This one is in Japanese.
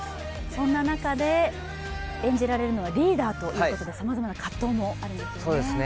そんな中で演じられるのはリーダーということでさまざまな葛藤もあるんですよね。